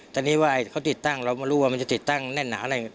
ตอนนี้ว่าเขาติดตั้งเราไม่รู้ว่ามันจะติดตั้งแน่นหนาอะไร